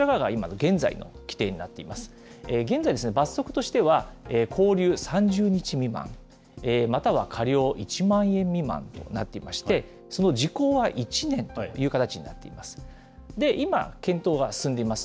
現在、罰則としては拘留３０日未満、または科料１万円未満となっていまして、その時効は１年という形になっています。